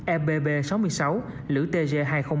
ebb sáu mươi sáu lữ tg hai trăm linh